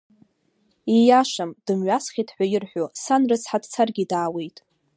Ииашам дымҩасхьеит ҳәа ирҳәо, сан рыцҳа дцаргьы даауеит.